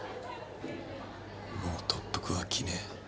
もう特服は着ねえ。